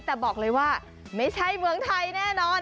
แต่บอกเลยว่าไม่ใช่เมืองไทยแน่นอน